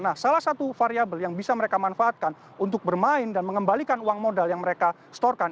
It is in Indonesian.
nah salah satu variable yang bisa mereka manfaatkan untuk bermain dan mengembalikan uang modal yang mereka storekan